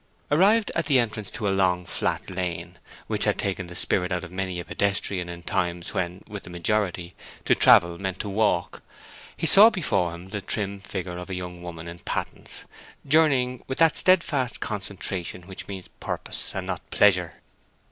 Arrived at the entrance to a long flat lane, which had taken the spirit out of many a pedestrian in times when, with the majority, to travel meant to walk, he saw before him the trim figure of a young woman in pattens, journeying with that steadfast concentration which means purpose and not pleasure.